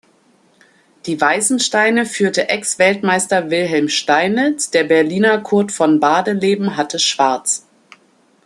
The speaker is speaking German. Die weißen Steine führte Ex-Weltmeister Wilhelm Steinitz, der Berliner Curt von Bardeleben hatte Schwarz.